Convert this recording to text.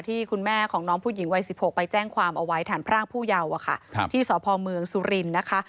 ที่คุณแม่ของน้องผู้หญิงวัย๑๖ไปแจ้งความเอาไว้ฐานพรากผู้เยาว์ที่สพเมืองสุรินทร์นะคะ